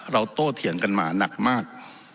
เราโต้เถี๋ยงกันมาหนักมาก